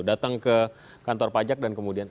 datang ke kantor pajak dan kemudian